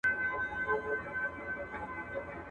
زما یادیږي چي سپین ږیرو به ویله.